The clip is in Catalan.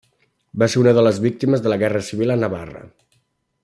Va ser una de les víctimes de la Guerra Civil a Navarra.